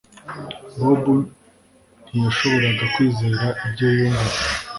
Bobo ntiyashoboraga kwizera ibyo yumvaga